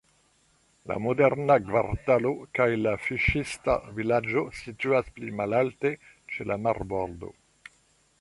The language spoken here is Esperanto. La moderna kvartalo kaj la fiŝista vilaĝo situas pli malalte, ĉe la marbordo.